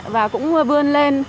và cũng vươn lên